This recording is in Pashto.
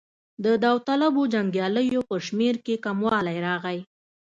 د داوطلبو جنګیالیو په شمېر کې کموالی راغی.